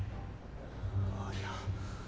ああいや